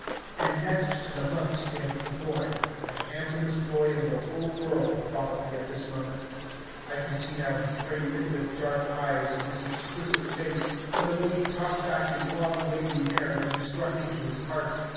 And next to the monk stands the boy, the handsomest boy in the whole world probably at this moment. I can see now his great, liquid, dark eyes, and his exquisite face, and the way he tossed back his long waving hair when he struck into his part.